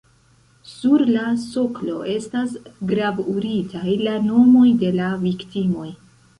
Sur la soklo estas gravuritaj la nomoj de la viktimoj.